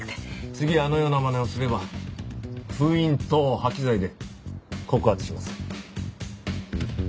次あのようなまねをすれば封印等破棄罪で告発します。